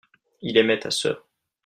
il aimait ta sœur.